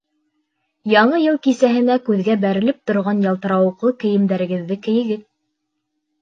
Яңы йыл кисәһенә күҙгә бәрелеп торған ялтырауыҡлы кейемдәрегеҙҙе кейегеҙ.